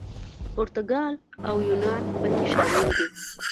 پرتګال او یونان پکې شامل دي.